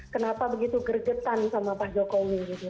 kenapa begitu geregetan sama pak jokowi gitu